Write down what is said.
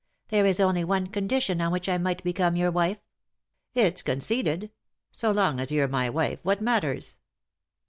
There is only one condition on which I might become your wife." "It's conceded; so long as you're my wife, what matters?"